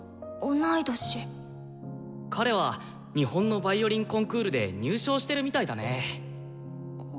彼は日本のヴァイオリンコンクールで入賞してるみたいだね。